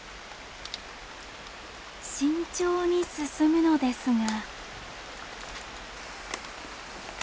慎重に進むのですが。